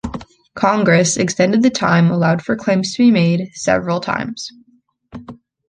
Congress extended the time allowed for claims to be made several times.